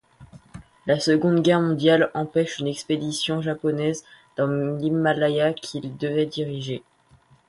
La Seconde Guerre mondiale empêche une expédition japonaise dans l'Himalaya qu'il devait diriger.